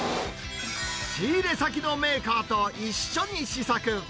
仕入れ先のメーカーと一緒に試作。